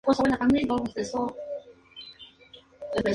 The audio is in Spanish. Sin embargo, todo volvería en una u otra forma.